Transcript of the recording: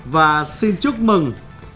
và xin chúc mừng